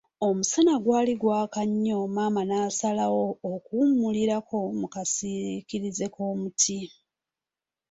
Omusana gw'ali gwaka nnyo maama n'asalawo okuwumulirako mu kasiikirize k'omuti.